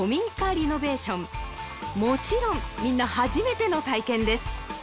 リノベーションもちろんみんな初めての体験です